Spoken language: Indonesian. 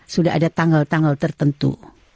sudah ada tanggal tanggal tertentu